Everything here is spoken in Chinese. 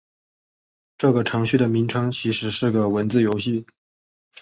这个程序的名称其实是个文字游戏。